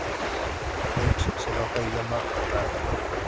Teal'c se enoja y llama Bra'tac.